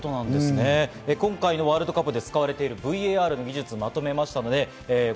今回のワールドカップで使われているＶＡＲの技術をまとめました。